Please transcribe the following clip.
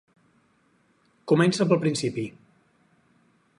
Comença pel principi.